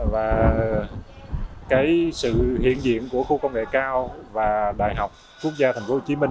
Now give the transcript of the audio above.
và cái sự hiện diện của khu công nghệ cao và đại học quốc gia tp hcm